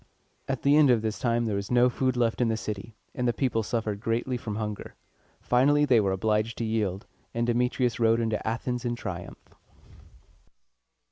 At the end of this time there was no food left in the city, and the people suffered greatly from hunger. Finally they were obliged to yield; and Demetrius rode into Athens in triumph.